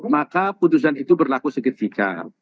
maka keputusan itu berlaku seketika